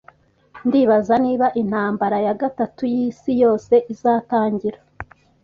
Ndibaza niba intambara ya gatatu yisi yose izatangira